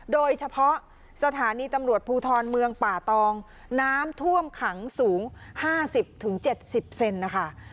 โดยเฉพาะสถานีตำรวจภูทรเมืองป่าตองน้ำท่วมขังสูงห้าสิบถึงเจ็ดสิบเซนนะคะ